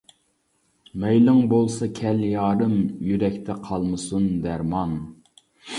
مەيلىڭ بولسا كەل يارىم، يۈرەكتە قالمىسۇن دەرمان.